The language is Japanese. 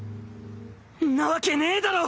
んなわけねぇだろ！